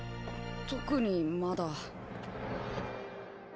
特にまだ。